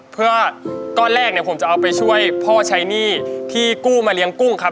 เพื่อก้อนแรกเนี่ยผมจะเอาไปช่วยพ่อใช้หนี้ที่กู้มาเลี้ยงกุ้งครับ